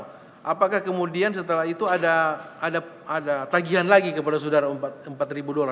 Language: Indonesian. tapi kan setelah itu ada tagihan lagi kepada saudara empat dolar